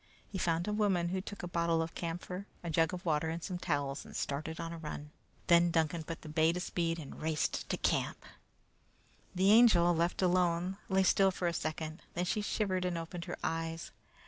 He found a woman, who took a bottle of camphor, a jug of water, and some towels, and started on the run. Then Duncan put the bay to speed and raced to camp. The Angel, left alone, lay still for a second, then she shivered and opened her eyes.